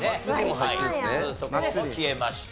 そこも消えました。